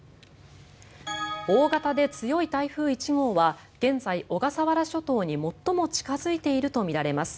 大型で強い台風１号は現在、小笠原諸島に最も近付いているとみられます。